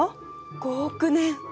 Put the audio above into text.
５億年！？